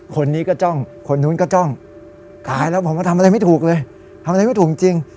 คนนี้ก็จ้องคนนู้นก็จ้องตายแล้วผมก็ทำอะไรไม่ถูกเลยทำอะไรไม่ถูกจริง